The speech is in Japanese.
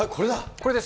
これです。